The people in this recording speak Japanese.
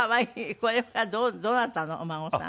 これはどなたのお孫さん？